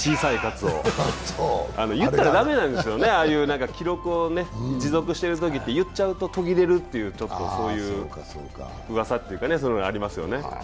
言ったら駄目なんですよね、ああいう記録を持続してるときって言っちゃうと途切れるっていううわさというか、そういうのありますよね。